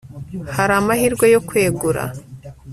Hari amahirwe yo kwegura